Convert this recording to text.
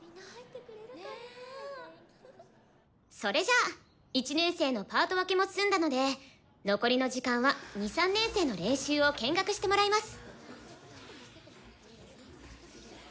それじゃあ１年生のパート分けも済んだので残りの時間は２３年生の練習を見学してもらいます。